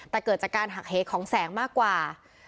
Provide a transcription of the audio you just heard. แต่เกิดจากการหักเหของแสงมากกว่า